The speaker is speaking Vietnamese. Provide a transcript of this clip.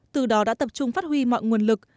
từ đó đã tập trung phát huy mọi nguồn lực